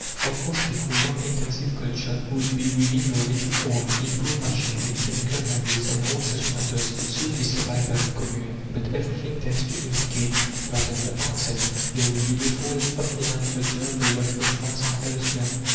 Of course, before long, intensive culture would be within the reach of all. Improved machinery, chemical manures, and all such matters would soon be supplied by the Commune. But everything tends to indicate that at the outset there would be a falling off in agricultural products, in France and elsewhere.